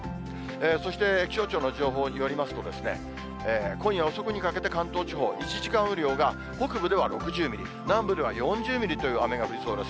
そして気象庁の情報によりますと、今夜遅くにかけて関東地方、１時間雨量が北部では６０ミリ、南部では４０ミリという雨が降りそうです。